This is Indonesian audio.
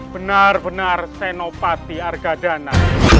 benar benar senopati argadana